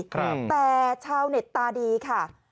แต่ชาวเน็ตตาดีค่ะ